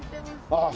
ああ。